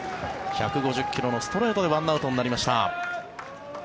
１５０ｋｍのストレートで１アウトになりました。